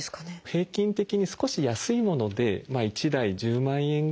平均的に少し安いもので１台１０万円ぐらいします。